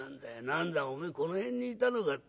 何だおめえこの辺にいたのか。